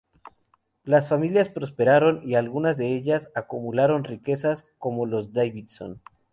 Las familias prosperaron y algunas de ellas acumularon riquezas, como los Davidson.